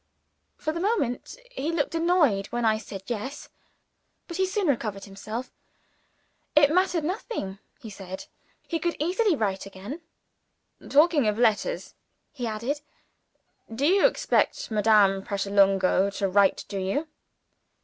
For the moment, he looked annoyed when I said, Yes. But he soon recovered himself. It mattered nothing (he said); he could easily write again. "Talking of letters," he added, "do you expect Madame Pratolungo to write to you?"